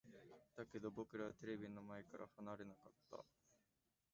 だけど、僕らはテレビの前から離れなかった。